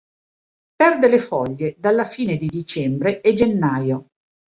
Perde le foglie dalla fine di dicembre e gennaio.